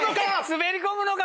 滑り込むのか！？